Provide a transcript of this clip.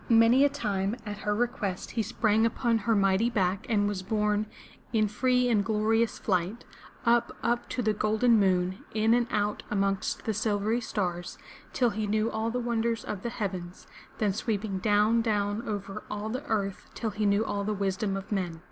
Many a time, at her request he sprang 43^ FROM THE TOWER WINDOW upon her mighty back and was borne in free and glorious flight, up, up to the golden moon, in and out amongst the silvery stars, till he knew all the wonders of the heavens; then sweeping down, down over all the earth, till he knew all the wisdom of men.